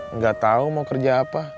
nggak tahu mau kerja apa